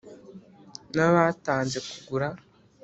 Nabatanze kugura !